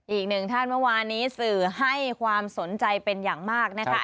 อีกหนึ่งท่านเมื่อวานนี้สื่อให้ความสนใจเป็นอย่างมากนะคะ